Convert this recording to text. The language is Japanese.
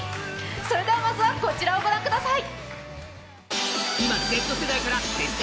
それではまずはこちらをご覧ください。